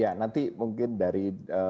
ya nanti mungkin dari